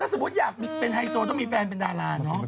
สมมุติอยากเป็นไฮโซต้องมีแฟนเป็นดาราเนอะ